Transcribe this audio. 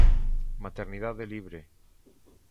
Maternidade libre.